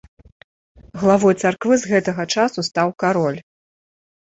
Главой царквы з гэтага часу стаў кароль.